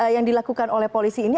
yang dilakukan oleh polisi ini